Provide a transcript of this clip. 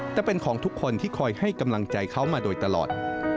แต่เป็นของทุกคนที่คอยให้กำลังใจเขามาโดยตลอด